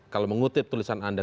kalau mengutip tulisan anda